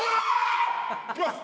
いきます。